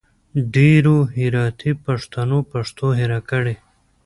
ډېرو هراتي پښتنو پښتو هېره کړي